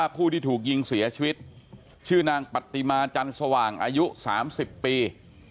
ผู้ที่ถูกยิงเสียชีวิตชื่อนางปฏิมาจันสว่างอายุ๓๐ปี